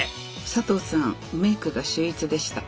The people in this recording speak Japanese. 佐藤さんメイクが秀逸でした。